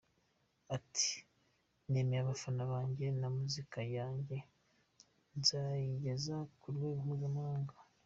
Ati “ Nemereye abafana banjye ko muzika yanjye nzayigeza ku rwego mpuzamahanga.